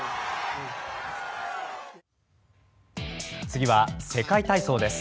次は世界体操です。